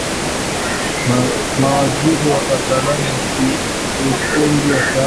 mawaziri na wataalamu wa kiufundi watafanya kazi kwa kasi kuhakikisha Jamuhuri ya Demokrasia ya Kongo